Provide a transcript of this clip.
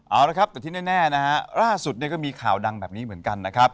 เอาละครับแต่ที่แน่นะฮะล่าสุดเนี่ยก็มีข่าวดังแบบนี้เหมือนกันนะครับ